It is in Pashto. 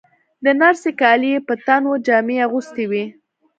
د نرسې کالي یې په تن وو، جامې یې اغوستې وې.